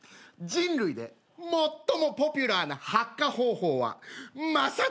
人類で最もポピュラーな発火方法は摩擦である。